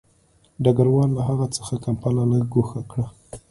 ډګروال له هغه څخه کمپله لږ ګوښه کړه